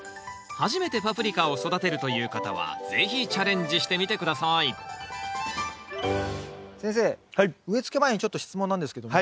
初めてパプリカを育てるという方は是非チャレンジしてみて下さい先生植えつけ前にちょっと質問なんですけども。